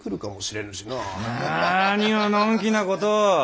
何をのんきなことを！